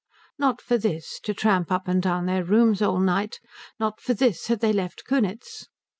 Not for this, to tramp up and down their rooms all night, not for this had they left Kunitz.